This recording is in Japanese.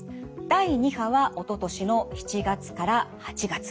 第２波はおととしの７月から８月。